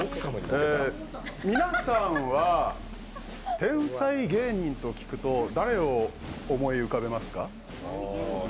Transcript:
皆さんは天才芸人と聞くと誰を思い浮かべますか？